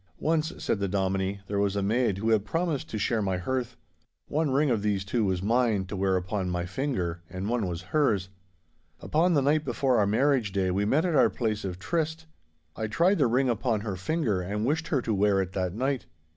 'Once,' said the Dominie, 'there was a maid who had promised to share my hearth. One ring of these two was mine, to wear upon my finger, and one was hers. Upon the night before our marriage day we met at our place of tryst. I tried the ring upon her finger ard wished her to wear it that night.